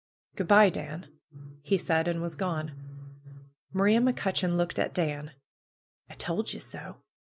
"Good bye, Dan!" he said, and was gone. Maria McCutcheon looked at Dan. "I told ye so